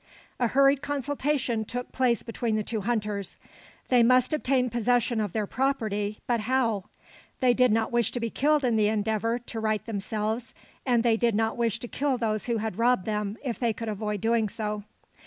A hurried consultation took place between the two hunters. They must obtain possession of their property, but how? They did not wish to be killed in the endeavour to right themselves, and they did not wish to kill those who had robbed them, if they could avoid doing so.